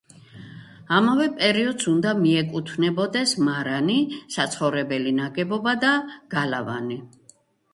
ამავე პერიოდს უნდა მიეკუთვნებოდეს მარანი, საცხოვრებელი ნაგებობა და გალავანი.